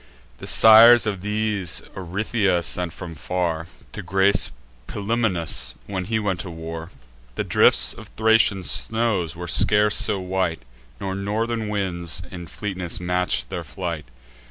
The sires of these Orythia sent from far, To grace Pilumnus, when he went to war. The drifts of Thracian snows were scarce so white, Nor northern winds in fleetness match'd their flight.